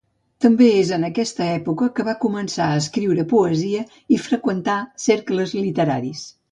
També és en aquesta època que va començar a escriure poesia i freqüentar cercles literaris.